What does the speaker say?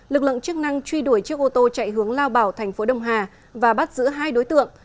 lực lượng chức năng truy đuổi chiếc ô tô chạy hướng lao bảo thành phố đông hà và bắt giữ hai đối tượng